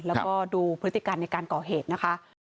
แล้วก็ดูพฤติการในการก่อเหตุนะคะ